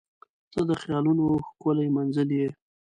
• ته د خیالونو ښکلی منزل یې.